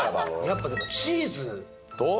やっぱでもチーズと？